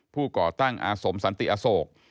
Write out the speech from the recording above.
ก่อตั้งอาสมสันติอโศก